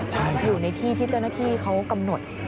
ใช่อยู่ในที่ที่เจ้าหน้าที่เขากำหนด